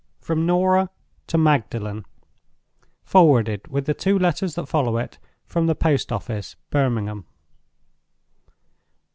From Norah to Magdalen. _Forwarded, with the Two Letters that follow it, from the Post Office, Birmingham.